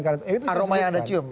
aroma yang anda cium